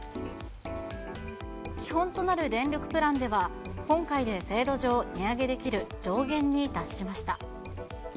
基本となる電力プランでは、今回で制度上、値上げできる上限に達しました。